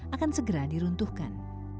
akan segera diruntuhkan